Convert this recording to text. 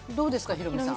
ヒロミさん